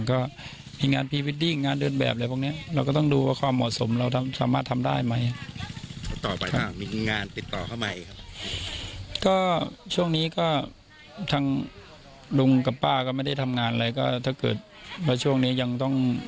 ก็ถ้าเกิดว่าช่วงนี้ยังต้อง